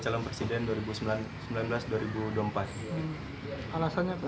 agar indonesia menjadi jauh lebih baik